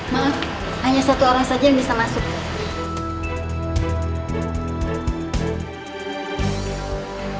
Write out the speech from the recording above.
maaf hanya satu orang saja yang bisa masuk